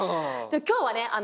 今日はね